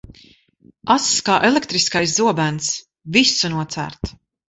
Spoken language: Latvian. Ass kā elektriskais zobens, visu nocērt.